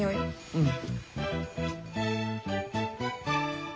うん。